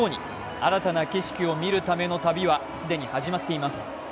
新たな景色を見るための旅は既に始まっています。